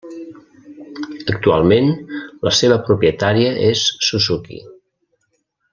Actualment, la seva propietària és Suzuki.